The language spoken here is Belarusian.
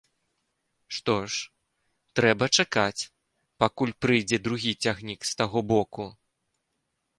Што ж, трэба чакаць, пакуль прыйдзе другі цягнік з таго боку.